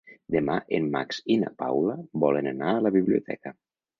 Demà en Max i na Paula volen anar a la biblioteca.